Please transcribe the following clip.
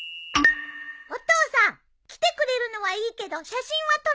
お父さん来てくれるのはいいけど写真は撮らないでね。